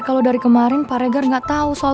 kalo dari kemaren pak regar gak tau soal